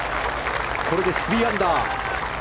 これで３アンダー。